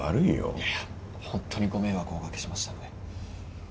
いやホントにご迷惑をおかけしましたので。